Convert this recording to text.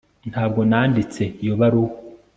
ntabwo nanditse iyo baruwa